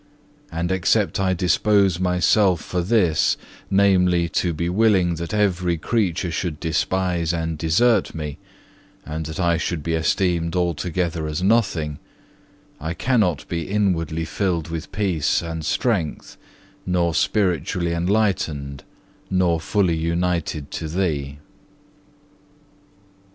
And except I dispose myself for this, namely, to be willing that every creature should despise and desert me, and that I should be esteemed altogether as nothing, I cannot be inwardly filled with peace and strength, nor spiritually enlightened, nor fully united to Thee.